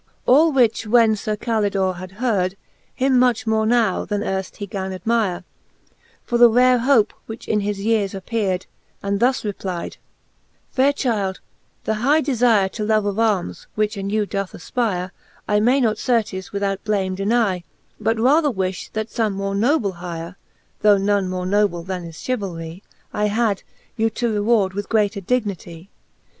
XXXIV. All which when well Sir Calidore had heard. Him much more now, then earft he gan admire, For the rare hope, which in his yeares appear'd, And thus replide, Faire chyld, the high defire To love of armes, which in you doth afpire, I may not certes without blame denie; But rather wifh, that fbme more noble hire, (Though none more noble then is chevalrie,) I had, you to reward with greater dignitie.